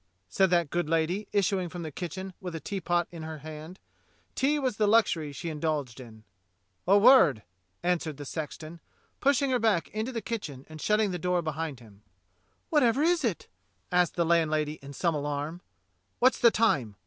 said that good lady, issuing from the kitchen with a teapot in her hand. Tea was the luxury she indulged in. "A word," answered the sexton, pushing her back into the kitchen and shutting the door behind him. 14 THE COMING OF THE KING'S MEN 15 "Whatever is it?" asked the landlady in some alarm. "What's the time?"